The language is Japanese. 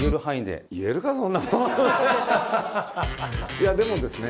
いやでもですね